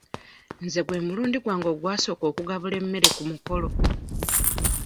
Nze gwe mulundi gwange ogwasooka okugabula emmere ku mukolo.